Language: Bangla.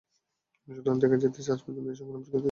সুতরাং দেখা যাইতেছে, আজ পর্যন্ত একই সংগ্রাম চলিতেছে।